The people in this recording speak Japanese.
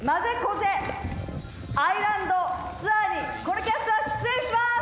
アイランドツアーにこのキャストは出演します